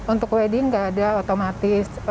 untuk wedding nggak ada otomatis